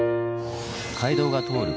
街道が通る